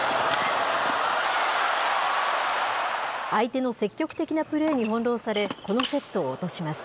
相手の積極的なプレーに翻弄され、このセットを落とします。